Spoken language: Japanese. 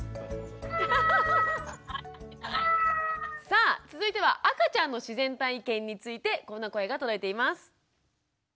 さあ続いては赤ちゃんの自然体験についてこんな声が届いています。